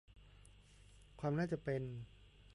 ความน่าจะเป็น